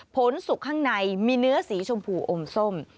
สุกข้างในมีเนื้อสีชมพูอมส้ม